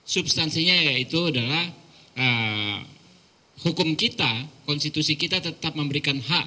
substansinya yaitu adalah hukum kita konstitusi kita tetap memberikan hak